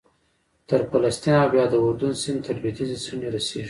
تر فلسطین او بیا د اردن سیند تر لوېدیځې څنډې رسېږي